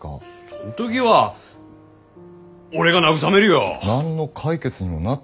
そん時は俺が慰めるよ。何の解決にもなってないですよ。